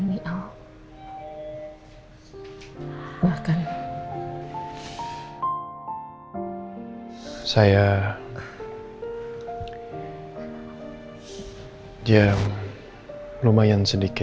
pokoknya yang duyuhku